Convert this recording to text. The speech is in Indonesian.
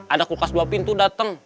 ada kulkas dua pintu dateng